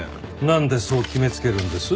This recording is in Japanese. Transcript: なんでそう決めつけるんです？